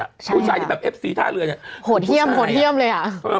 อันคารที่ผ่านมานี่เองไม่กี่วันนี่เอง